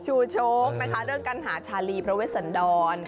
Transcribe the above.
ชูโชคนะคะเรื่องการหาชาลีพระเวชสันดร